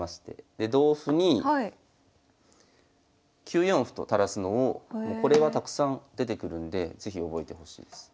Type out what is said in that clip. で同歩に９四歩と垂らすのをこれはたくさん出てくるんで是非覚えてほしいです。